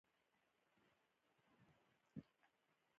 یوه ورځ موږ ټول د جومات پر تنګاچه پر سبق ناست وو.